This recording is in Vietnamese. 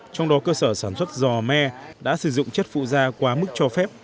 trong đó cơ sở sản xuất giò me đã sử dụng chất phụ da quá mức cho phép